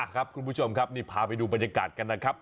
คุณผู้ชมครับนี่พาไปดูบรรยากาศกันนะครับ